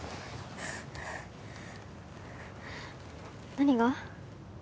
何が？